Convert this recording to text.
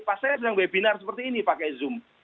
pas saya sedang webinar seperti ini pakai zoom